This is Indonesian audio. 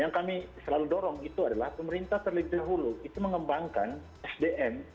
yang kami selalu dorong itu adalah pemerintah terlebih dahulu itu mengembangkan sdm